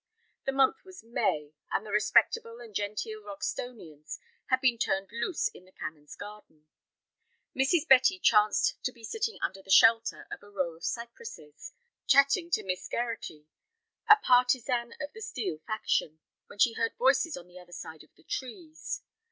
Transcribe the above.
The month was May, and the respectable and genteel Roxtonians had been turned loose in the Canon's garden. Mrs. Betty chanced to be sitting under the shelter of a row of cypresses, chatting to Miss Gerraty, a partisan of the Steel faction, when she heard voices on the other side of the trees.